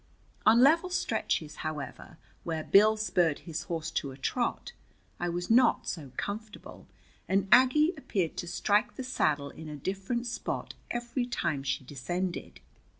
On level stretches, however, where Bill spurred his horse to a trot, I was not so comfortable, and Aggie appeared to strike the saddle in a different spot every time she descended.